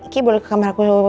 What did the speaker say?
ki boleh ke kameraku